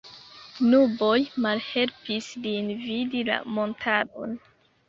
Nuboj malhelpis lin vidi la montaron.